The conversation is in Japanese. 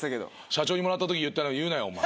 社長にもらったとき言ったの言うなよお前。